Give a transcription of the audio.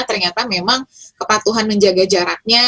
ternyata memang kepatuhan menjaga jaraknya